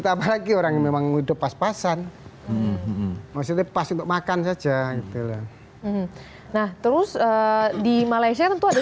apalagi orang memang udah pas pasan masih lepas untuk makan saja nah terus di malaysia tentu ada